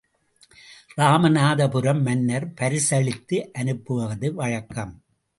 இராமநாதபுரம் மன்னர் பரிசளித்து அனுப்புவது வழக்கம்.